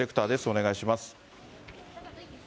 お願いします。